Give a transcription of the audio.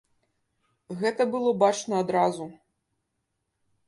Гэта было бачна адразу.